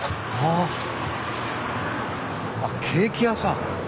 あケーキ屋さん。